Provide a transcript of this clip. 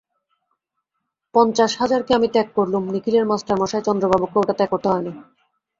পঞ্চাশ হাজারকে আমি ত্যাগ করলুম, নিখিলের মাস্টারমশায় চন্দ্রবাবুকে ওটা ত্যাগ করতে হয় না।